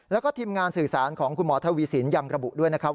แล้วก็ทีมงานสื่อสารของคุณหมอทวีสินยังระบุด้วยนะครับ